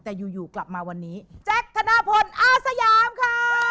แต่อยู่กลับมาวันนี้แจ๊คธนพลอาสยามค่ะ